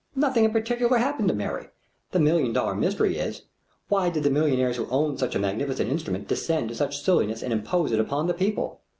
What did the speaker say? Nothing in particular happened to Mary. The million dollar mystery was: why did the millionaires who owned such a magnificent instrument descend to such silliness and impose it on the people?